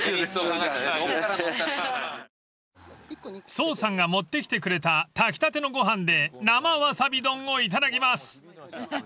［走さんが持ってきてくれた炊きたてのご飯で生わさび丼をいただきます］